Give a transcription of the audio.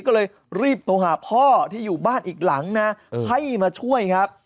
ก็เลยรีบโทรหาพ่อที่อยู่บ้านอีกหลังนะให้มาช่วยครับ